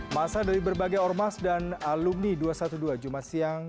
masa dari berbagai ormas dan alumni dua ratus dua belas jumat siang